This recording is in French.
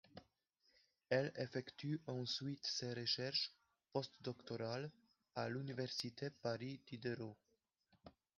Elle effectue ensuite ses recherches post-doctorales à l’université Paris-Diderot.